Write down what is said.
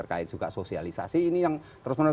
sampaikan tadi terkait juga sosialisasi ini yang terus menurut